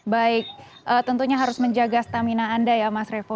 baik tentunya harus menjaga stamina anda ya mas revo